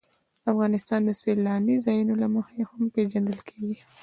افغانستان د سیلاني ځایونو له مخې هم پېژندل کېږي.